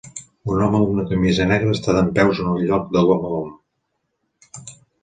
Un home amb una camisa negra està dempeus en un lloc de gom a gom.